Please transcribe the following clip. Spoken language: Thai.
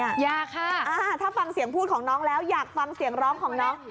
อยากค่ะถ้าฟังเสียงพูดของน้องแล้วอยากฟังเสียงร้องของน้อง